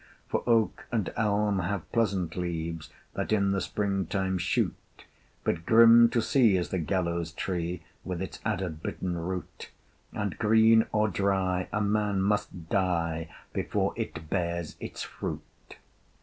For oak and elm have pleasant leaves That in the spring time shoot: But grim to see is the gallows tree, With its adder bitten root, And, green or dry, a man must die Before it bears its fruit!